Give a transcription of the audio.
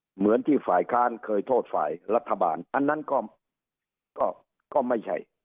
เหมือนที่ฝ่ายค้านเคยโทษฝ่ายรัฐบาลอันนั้นก็ไม่ใช่